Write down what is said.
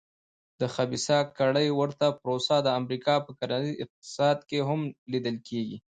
د خبیثه کړۍ ورته پروسه د امریکا په کرنیز اقتصاد کې هم لیدل کېږي.